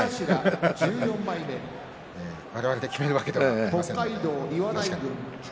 我々で決めるわけではありません。